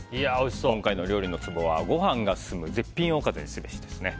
今回の料理のツボはご飯が進む絶品おかずにすべしです。